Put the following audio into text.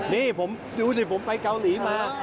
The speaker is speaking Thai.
นี่ผมดูสิผมไปเกาหลีมา